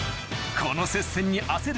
この接戦に焦る